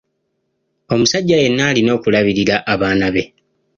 Omusajja yenna alina okulabirira abaana be.